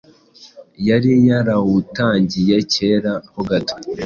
Yari yarawutangiye cyeraho gato